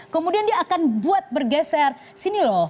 kemudian dia akan buat bergeser sini loh